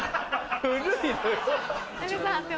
古いのよ。